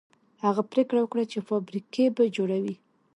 هغه پرېکړه وکړه چې فابريکې به جوړوي.